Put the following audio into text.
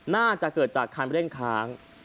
น่าจะเกิดจากคันเร่งค้าง